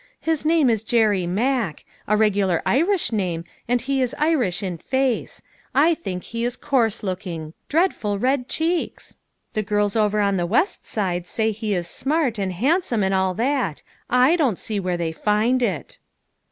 " His name is Jerry Mack ; a regular Irish name, and he is Irish in face ; I think he is coarse looking ; dreadful red cheeks ! 'The girls over on the West Side say he is smart, and handsome, and all that. I don't see where they find it."